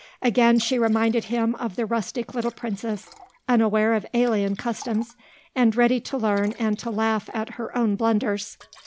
Again she reminded him of the rustic little princess, unaware of alien customs, and ready to learn and to laugh at her own blunders.